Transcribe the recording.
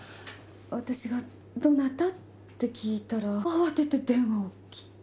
わたしが「どなた」って聞いたら慌てて電話を切って。